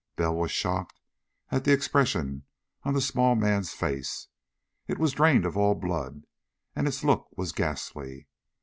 Bell was shocked at the expression on the small man's face. It was drained of all blood, and its look was ghastly.